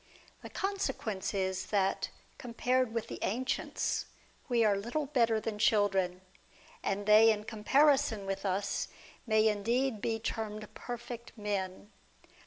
The consequence is, that, compared with the ancients, we are little better than children, and they in comparison with us may indeed be termed perfect men.